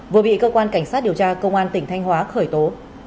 vừa bị cơ quan cảnh sát điều tra công an tỉnh thanh hóa khởi tố